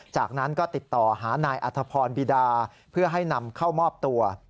จากนั้นก็ติดต่อหานายอัธพรบิดาเพื่อให้นำเข้ามอบตัว